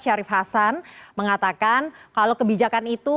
syarif hasan mengatakan kalau kebijakan itu